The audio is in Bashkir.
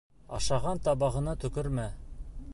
Ашаған табағына төкөрмә.